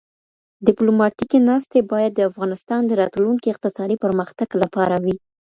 ډیپلوماټیکې ناستي باید د افغانستان د راتلونکي اقتصادي پرمختګ لپاره وي.